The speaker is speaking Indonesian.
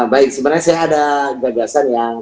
baik sebenarnya saya ada gagasan yang